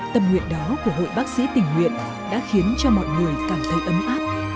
tâm nguyện đó của hội bác sĩ tình nguyện đã khiến cho mọi người cảm thấy ấm áp